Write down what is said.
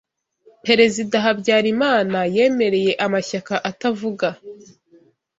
Perezida Habyarimana yemereye amashyaka atavuga